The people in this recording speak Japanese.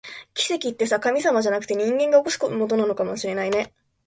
奇跡ってさ、神様じゃなくて、人間が起こすものなのかもしれないね